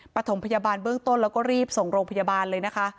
ประถมพยาบาลเบื้องต้นแล้วก็รีบส่งโรงพยาบาลเลยนะคะ